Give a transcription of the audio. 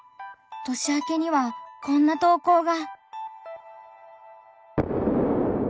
年明けにはこんな投稿が。